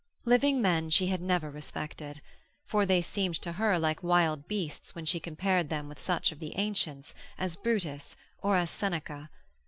Living men she had never respected for they seemed to her like wild beasts when she compared them with such of the ancients as Brutus or as Seneca.